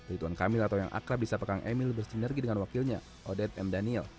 ridwan kamil atau yang akrab di sapa kang emil bersinergi dengan wakilnya odet m daniel